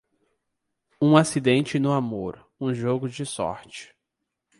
Um acidente no amor, um jogo de sorte.